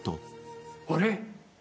あれ？